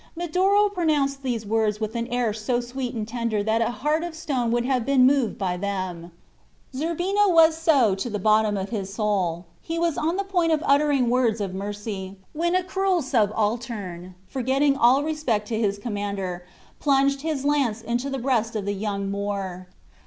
Medoro pronounced these words with an air so sweet and tender that a heart of stone would have been moved by them. Zerbino was so to the bottom of his soul. He was on the point of uttering words of mercy, when a cruel subaltern, forgetting all respect to his commander, plunged his lance into the breast of the young Moor.